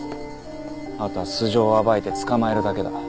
あとは素性を暴いて捕まえるだけだ。